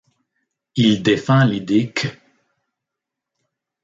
Il défend l'idée qu'.